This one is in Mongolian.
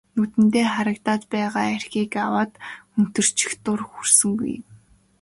Нүдэндээ харагдаад байгаа архийг ч аваад хөнтөрчих дур хүрсэнгүй.